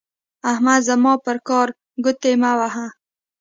احمده زما پر کار ګوتې مه وهه.